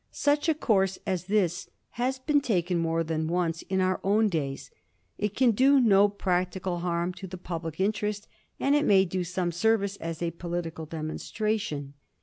Such a course as this has been taken more than once in our own days. It can do no practical harm to the public interest, and it may do some service as a political demonstration.